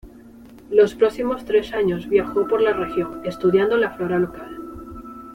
Los próximos tres años viajó por la región, estudiando la flora local.